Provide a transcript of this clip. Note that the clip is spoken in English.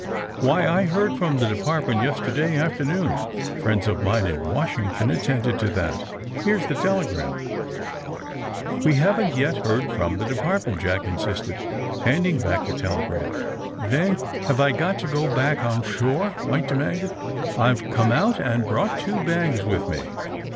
*^Why, I heard from the De partment yesterday afternoon. Friends of mine in Washington attended to that. Here's the telegram. '' ^^We haven't yet heard from the Depart ment/' Jack insisted; handing back the tele gram. ^'Then have I got to go back on shore T' White demanded. ^'I've come ont and brought two bags with me.